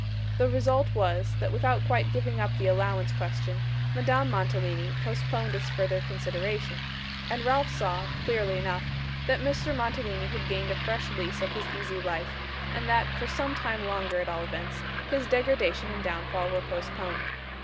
The result was, that without quite giving up the allowance question, Madame Mantalini, postponed its further consideration; and Ralph saw, clearly enough, that Mr. Mantalini had gained a fresh lease of his easy life, and that, for some time longer at all events, his degradation and downfall were postponed.